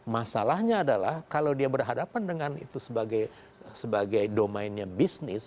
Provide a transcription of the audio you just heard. masalahnya adalah kalau dia berhadapan dengan itu sebagai domainnya bisnis